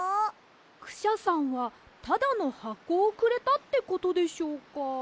クシャさんはただのはこをくれたってことでしょうか？